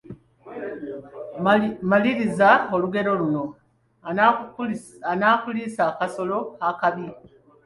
Maliriza olugero luno: Anaakuliisa akasolo akabi, …..